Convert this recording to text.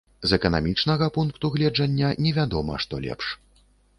З эканамічнага пункту гледжання невядома, што лепш.